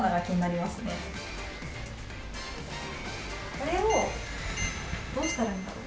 これをどうしたらいいんだろ？